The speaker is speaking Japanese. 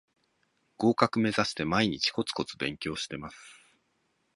合格めざして毎日コツコツ勉強してます